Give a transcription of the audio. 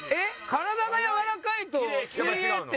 体がやわらかいと水泳って得？